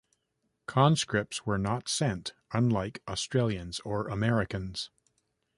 Conscripts were not sent, unlike Australians or Americans.